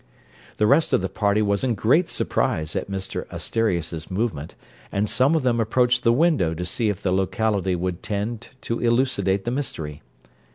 The rest of the party was in great surprise at Mr Asterias's movement, and some of them approached the window to see if the locality would tend to elucidate the mystery.